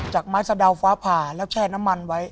ไม้สะดาวฟ้าผ่าแล้วแช่น้ำมันไว้